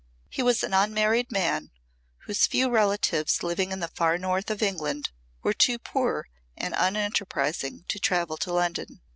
He was an unmarried man whose few relatives living in the far North of England were too poor and unenterprising to travel to London.